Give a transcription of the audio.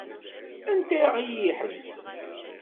Anta i iḥebsen?